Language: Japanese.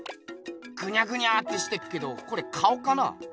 グニャグニャってしてっけどこれ顔かな？